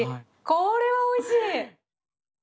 これはおいしい！